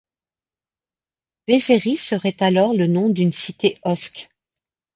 Veseris serait alors le nom d'une cité osque.